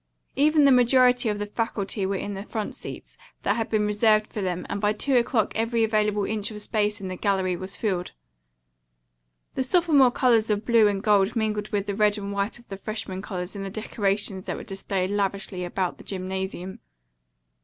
Even the majority of the faculty were in the front seats that had been reserved for them and by two o'clock every available inch of space in the gallery was filled. The sophomore colors of blue and gold mingled with the red and white of the freshmen colors in the decorations that were displayed lavishly about the gymnasium.